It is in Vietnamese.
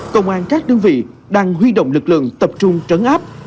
công an các đơn vị đang huy động lực lượng tập trung trấn áp